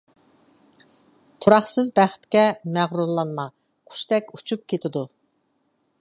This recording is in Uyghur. تۇراقسىز بەختكە مەغرۇرلانما قۇشتەك ئۇچۇپ كېتىدۇ.